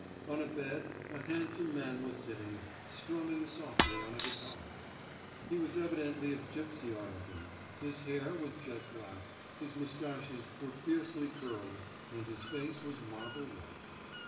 On a bed a handsome man was sitting, strumming softly on a guitar. He was evidently of gipsy origin; his hair was jet black, his moustaches were fiercely curled and his face was marble white.